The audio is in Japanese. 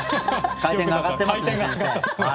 回転が上がってますね先生。